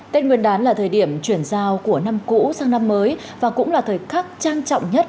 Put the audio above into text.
tết nguyên đán là thời điểm chuyển giao của năm cũ sang năm mới và cũng là thời khắc trang trọng nhất